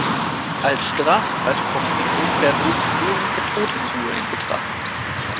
Als Straftat kommt insofern nur die Störung der Totenruhe in Betracht.